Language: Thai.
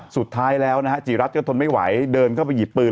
สุดท้ายแล้วนะฮะจีรัฐก็ทนไม่ไหวเดินเข้าไปหยิบปืน